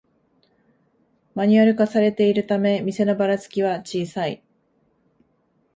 マニュアル化されているため店のバラつきは小さい